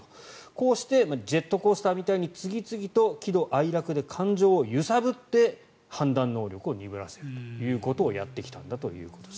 こうしてジェットコースターみたいに次々と喜怒哀楽で感情を揺さぶって判断能力を鈍らせるということをやってきたんだということです。